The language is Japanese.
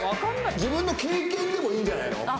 自分の経験でもいいんじゃないの。